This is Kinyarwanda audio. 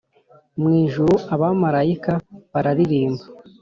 mu ijuru abamarayika bararirimba